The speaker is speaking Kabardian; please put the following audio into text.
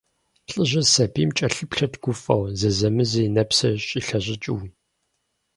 ЛӀыжьыр сабийм кӀэлъыплъырт гуфӀэу, зэзэмызи и нэпсыр щӀилъэщӀыкӀыу.